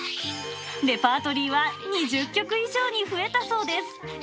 レパートリーは２０曲以上に増えたそうです。